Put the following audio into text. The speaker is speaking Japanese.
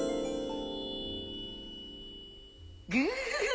グフフフ！